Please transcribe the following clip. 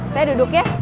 saya duduk ya